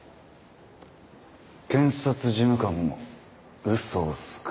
検察事務官もうそをつく。